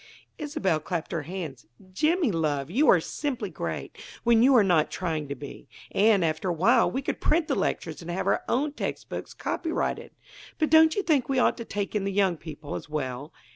'" Isobel clapped her hands. "Jimmy, love, you are simply great, when you are not trying to be. And, after a while, we could print the lectures and have our own text books copyrighted. But don't you think we ought to take in the young people, as well?